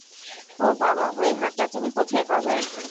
ওহ, বাবা, ওই হাতটা তুমি কোথায় পাবে?